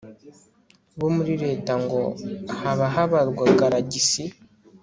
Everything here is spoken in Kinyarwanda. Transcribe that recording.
bo muri leta ngo haba habarwa galagisi